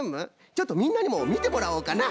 ちょっとみんなにもみてもらおうかな。